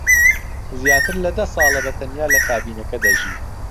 زیاتر لە دە ساڵە بەتەنیا لە کابینەکە دەژی.